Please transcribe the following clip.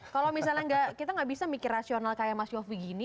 kalau misalnya kita gak bisa mikir rasional kayak mas yofi gini